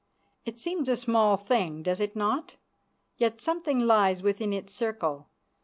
It seems a small thing, does it not? Yet something lies within its circle.